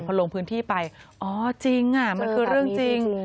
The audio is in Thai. พอลงพื้นที่ไปอ๋อจริงมันคือเรื่องจริง